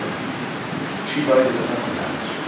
She lighted another match.